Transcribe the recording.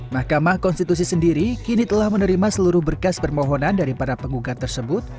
mahkamah konstitusi sendiri kini telah menerima seluruh berkas permohonan dari para penggugat tersebut